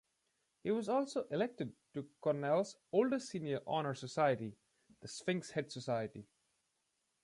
He was also elected to Cornell's oldest senior honor society, the Sphinx Head Society.